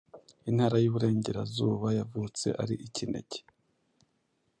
Intara y’Iburengerazuba. Yavutse ari ikinege,